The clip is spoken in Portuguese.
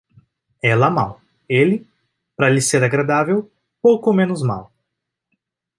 Ela mal; ele, para lhe ser agradável, pouco menos mal.